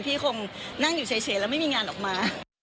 พี่คงนั่งอยู่เฉยแล้วไม่มีงานออกมา